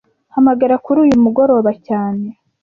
Hamagara kuri uyu mugoroba cyane